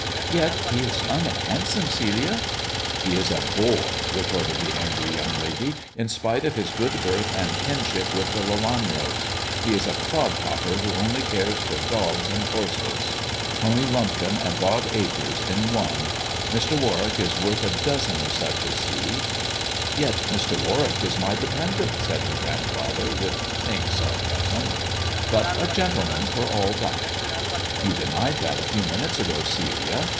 "Yet he is young and handsome, Celia." "He is a bore," retorted the angry young lady, "in spite of his good birth and kinship with the Lelanros ; he is a clodhopper who only cares for dogs and horses. Tony Lumpkin and Bob Acres in one. Mr. Warwick is worth a dozen of such as he." "Yet Mr. Warwick is my dependent," said her grand father, with faint sarcasm. " But a gentleman for all that !" "You denied that a few minutes ago, Celia.